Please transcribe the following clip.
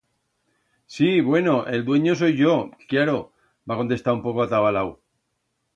Sí, bueno, el duenyo soi yo, cllaro, va contestar un poco atabalau.